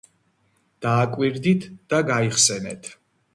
დააკვირდით და გაიხსენეთ